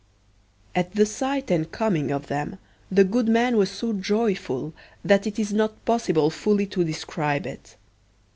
At the sight and coming of them, the good man was so joyful, that it is not possible fully to describe it.